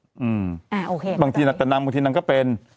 อืมบางทีนักก็นำบางทีนักก็เป็น